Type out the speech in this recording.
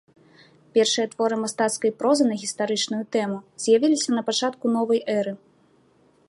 Першыя творы мастацкай прозы на гістарычную тэму з'явіліся на пачатку новай эры.